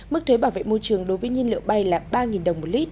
mức thuế bảo vệ môi trường đối với nhiên liệu bay là ba đồng một lít